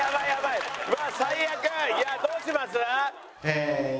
いやどうします？